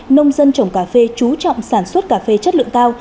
nông dân trồng cà phê trú trọng sản xuất cà phê chất lượng cao